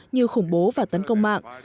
như khủng bố và tấn công mạng